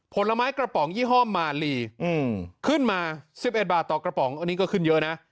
ผลไม้กระป๋องยี่ห้อมาลีขึ้นมา๑๑บาทต่อกระป๋องอันนี้ก็ขึ้นเยอะนะ